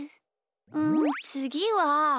うんつぎは。